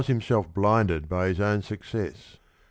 ^6 himself blinded by his own success.